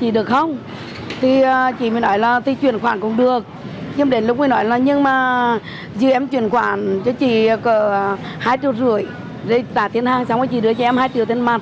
chỉ có hai triệu rưỡi để trả tiền hàng xong rồi chỉ đưa cho em hai triệu tiền mặt